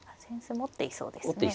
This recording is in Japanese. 持っていそうですね。